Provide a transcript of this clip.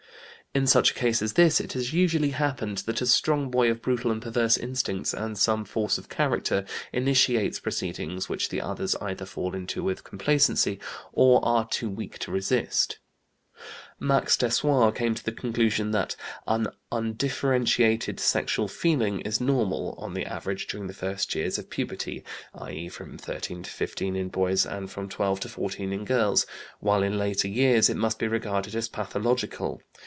In such a case as this it has usually happened that a strong boy of brutal and perverse instincts and some force of character initiates proceedings which the others either fall into with complacency or are too weak to resist. Max Dessoir came to the conclusion that "an undifferentiated sexual feeling is normal, on the average, during the first years of puberty, i.e., from 13 to 15 in boys and from 12 to 14 in girls, while in later years it must be regarded as pathological."